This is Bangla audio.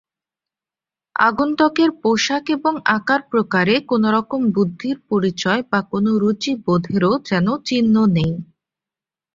আগন্তুকের পোশাক এবং আকার-প্রকারে কোনোরকম বুদ্ধির পরিচয় বা কোনো রুচিবোধেরও যেন চিহ্ন নেই।